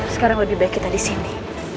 sekarang lebih baik kita disini